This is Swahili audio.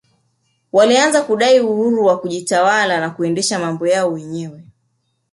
walianza kudai uhuru wa kujitawala na kuendesha mambo yao wenyewe